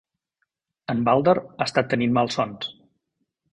En Baldr ha estat tenint malsons.